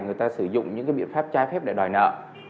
người ta sử dụng những cái biện pháp trái khép để đòi nợ